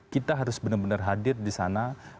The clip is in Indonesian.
kita harus benar benar hadir di sana